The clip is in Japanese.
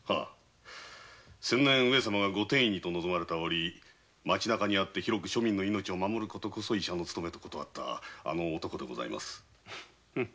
先年上様がご典医にと望まれた折町なかにあって庶民の命を守ることこそ医者の務めと断ったあの男でございます。